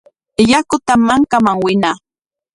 Yakutam mankaman winaa.